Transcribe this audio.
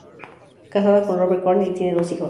Casada Robert Corn y tiene dos hijos.